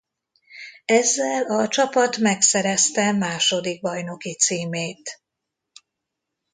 Ezzel a csapat megszerezte második bajnoki címét.